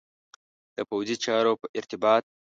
د پوځي چارو په ارتباط.